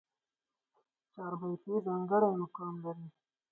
چاربېتې ځانګړی مقام لري.